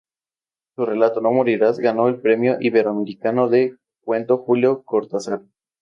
Su relato "No Morirás" ganó el Premio Iberoamericano de Cuento Julio Cortázar.